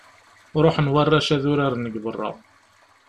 Ruḥen warrac ad uraren deg berra.